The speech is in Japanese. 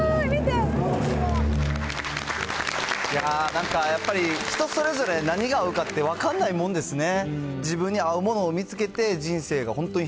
なんかやっぱり、人それぞれ何が合うかって分からないもんですね。